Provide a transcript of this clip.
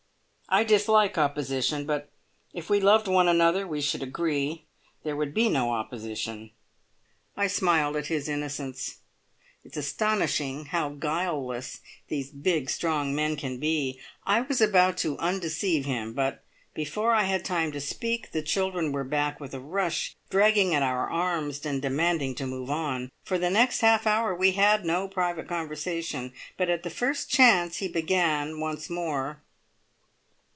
I dislike opposition, but if we loved one another we should agree. There would be no opposition." I smiled at his innocence. It is astonishing how guileless these big, strong men can be. I was about to undeceive him, but before I had time to speak the children were back with a rush, dragging at our arms, and demanding to move on. For the next half hour we had no private conversation, but at the first chance he began once more.